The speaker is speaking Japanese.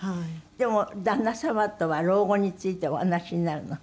でも旦那様とは老後についてお話しになるの？